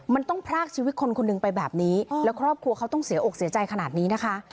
มันต้องพรากชีวิตคนคนหนึ่งไปแบบนี้แล้วครอบครัวเขาต้องเสียอกเสียใจขนาดนี้นะคะ